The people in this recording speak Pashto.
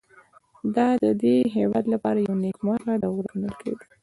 دا د دې هېواد لپاره یوه نېکمرغه دوره ګڼل کېده.